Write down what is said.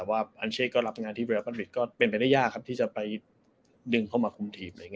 เป็นไงแล้วยากกลับมาคุมทีม